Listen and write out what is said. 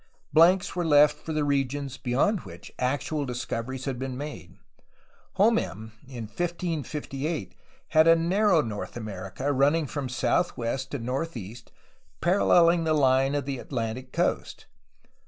Blanks were left for the regions beyond which actual discoveries had been made. Homem, in 1558, had a narrow North America, running from southwest to northeast, paralleUng the line of the Atlantic coast.